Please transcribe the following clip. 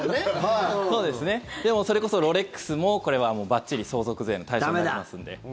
でも、それこそロレックスもこれはもうばっちり相続税の対象になりますんで。